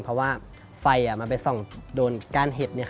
เพราะว่าไฟมันไปส่องโดนก้านเห็ด